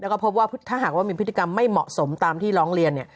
แล้วก็พบว่าถ้าหากว่ามีพฤติกรรมไม่เหมาะสมตามที่ร้องเรียนเนี่ย